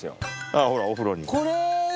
あぁほらお風呂に。